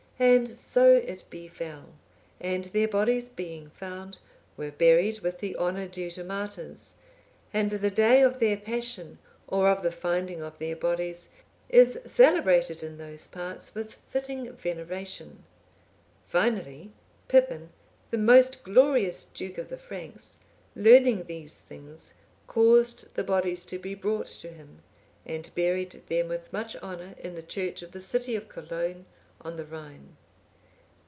And so it befell; and their bodies being found, were buried with the honour due to martyrs; and the day of their passion or of the finding of their bodies, is celebrated in those parts with fitting veneration. Finally, Pippin, the most glorious duke of the Franks, learning these things, caused the bodies to be brought to him, and buried them with much honour in the church of the city of Cologne, on the Rhine.